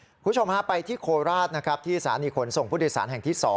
คุณผู้ชมพี่คิดถามว่าไปที่โคหสที่ศาลีขนส่งผู้โดยสารห่างที่๒